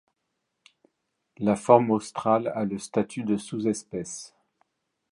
La forme australe a le statut de sous-espèce.